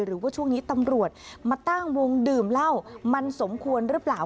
หรือว่าช่วงนี้ตำรวจมาตั้งวงดื่มเหล้ามันสมควรหรือเปล่า